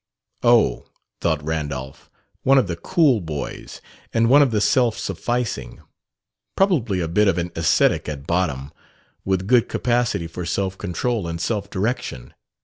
"Oh," thought Randolph, "one of the cool boys, and one of the self sufficing. Probably a bit of an ascetic at bottom, with good capacity for self control and self direction.